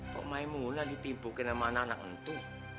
kok maimunah ditipu kena sama anak anak itu